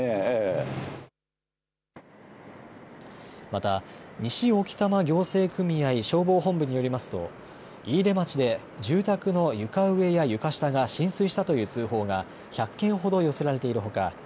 また西置賜行政組合消防本部によりますと飯豊町で住宅の床上や床下が浸水したという通報が１００件ほど寄せられているほか